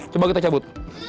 coba kita cabut